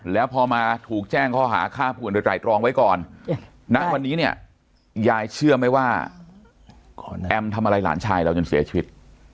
แล้วพอมาถูกแจ้งข้อหาฆ่าผู้อื่นโดยไตรรองไว้ก่อนณวันนี้เนี่ยยายเชื่อไหมว่าแอมทำอะไรหลานชายเราจนเสียชีวิต